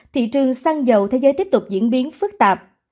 thị trường xăng dầu thế giới tiếp tục diễn biến phức tạp